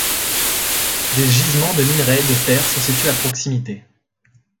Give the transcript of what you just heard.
Des gisements de minerai de fer sont situés à proximité.